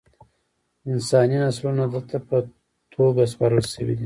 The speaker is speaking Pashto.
انساني نسلونه ده ته په توګه سپارل شوي.